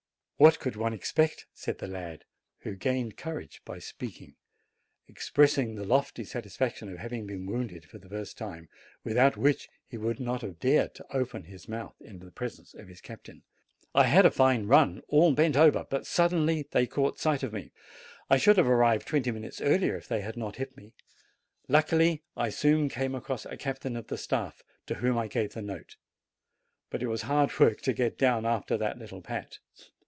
"What could one expect?" said the lad, who gained io6 JANUARY courage by speaking, expressing the lofty satisfaction of having been wounded for the first time, without which he would not have dared to open his mouth in the presence of this captain; "I had a fine run, all bent over, but suddenly they caught sight of me. I should have arrived twenty minutes earlier if they had not hit me. Luckily, I soon came across a captain of the staff, to whom I gave the note. But it was hard work to get down after that little pat!